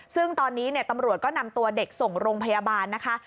ซึ่งตอนนี้ตำรวจก็นำตัวเด็กส่งโรงพยาบาลนะคะ